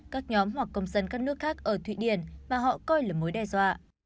các nhóm hoặc công dân các nước khác ở thụy điển mà họ coi là mối đe dọa